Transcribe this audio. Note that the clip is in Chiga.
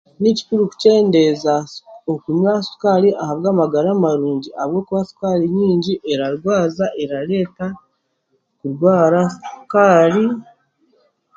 Nikikuru kukyendeza suka okunywa sukaari aha bwa magara marungi ahabwokuba sukaari nyingi eraarwaza erareeta endwara sukaari